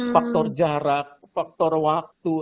faktor jarak faktor waktu